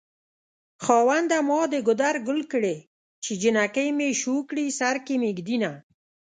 خاونده ما د ګودر ګل کړې چې جنکۍ مې شوکوي سر کې مې ږدينه